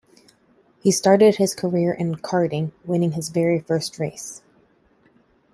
He started his career in karting, winning his very first race.